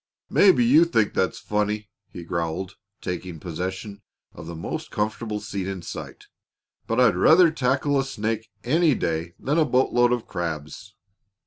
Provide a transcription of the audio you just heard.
"Maybe you think that's funny," he growled, taking possession of the most comfortable seat in sight; "but I'd rather tackle a snake any day than a boat load of crabs."